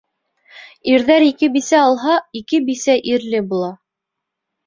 Ирҙәр ике бисә алһа, ике бисә ирле була.